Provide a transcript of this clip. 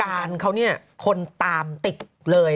การเขาเนี่ยคนตามติดเลย